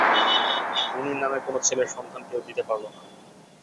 মুনির নামের কোনো ছেলের সন্ধান কেউ দিতে পারল না।